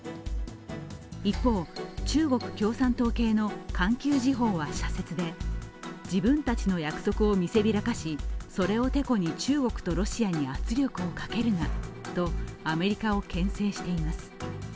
一方、中国共産党系の「環球時報」は社説で自分たちの約束を見せびらかし、それをてこに中国とロシアに圧力をかけるなとアメリカをけん制しています。